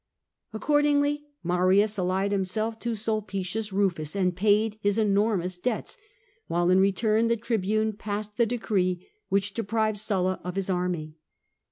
Accordingly Marius allied himself to Snlpicins Rufus and paid his enormous debts, while in return the tribune passed the decree which deprived Sulla of his army.